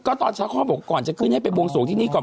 ตอนเช้าเขาบอกก่อนจะขึ้นให้ไปบวงสวงที่นี่ก่อน